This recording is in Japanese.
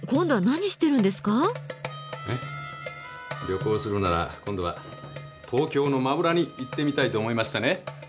旅行するなら今度は東京の真裏に行ってみたいと思いましてね。